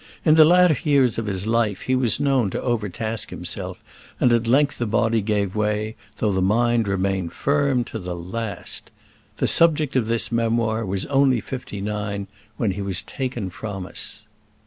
In the latter years of his life he was known to overtask himself; and at length the body gave way, though the mind remained firm to the last. The subject of this memoir was only fifty nine when he was taken from us."